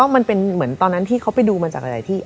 มันเป็นเหมือนตอนที่เขาไปดูมาจากหลายที่